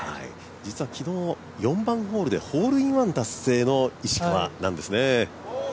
実は昨日、４番ホールでホールインワン達成の石川なんですね。